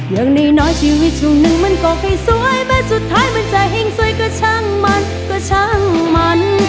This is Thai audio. อย่างน้อยชีวิตช่วงหนึ่งมันก็ไม่สวยแม้สุดท้ายมันจะแห่งสวยก็ช่างมันก็ช่างมัน